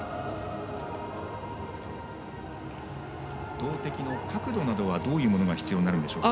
投てきの角度などはどういうものが必要になるんでしょうか。